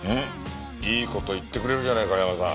いい事言ってくれるじゃないかヤマさん。